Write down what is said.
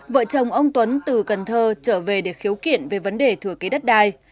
vợ chồng ông tuấn từ cần thơ trở về để khiếu kiện về vấn đề thừa kế đất đai